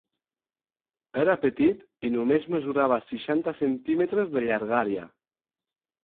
Era petit i només mesurava seixanta centímetres de llargària.